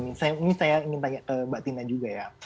ini saya ingin tanya ke mbak tina juga ya